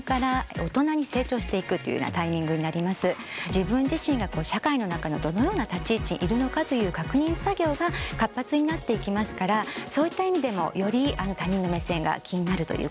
自分自身が社会の中のどのような立ち位置にいるのかという確認作業が活発になっていきますからそういった意味でもより他人の目線が気になるということになります。